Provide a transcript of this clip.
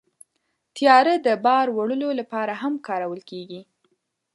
طیاره د بار وړلو لپاره هم کارول کېږي.